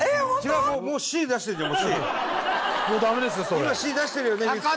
今Ｃ出してるよね。